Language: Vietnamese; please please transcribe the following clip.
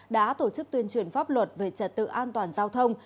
đã tổ chức tuyên truyền pháp luật về trật tự an toàn giao thông